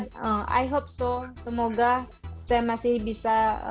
saya hopso semoga saya masih bisa